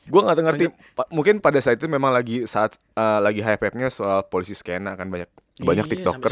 gue nggak terngerti mungkin pada saat itu memang lagi hype hype nya soal polisi skena kan banyak tiktokers